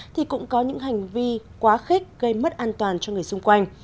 thì cũng có những hành vi quá khích gây mất an toàn cho người xung quanh